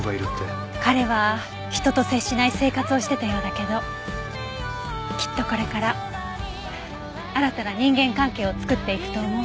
彼は人と接しない生活をしてたようだけどきっとこれから新たな人間関係を作っていくと思う。